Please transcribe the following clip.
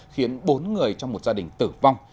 khiến bốn người trong một gia đình tử vong